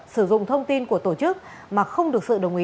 sử dụng thông tin của tổ chức mà không được sự đồng ý